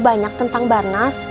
banyak tentang barnas